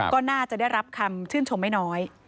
ก็น่าจะได้รับคำชื่นชมไม่น้อย